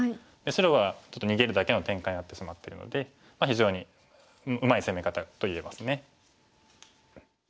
白はちょっと逃げるだけの展開になってしまってるので非常にうまい攻め方と言えます。